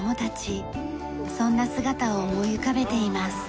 そんな姿を思い浮かべています。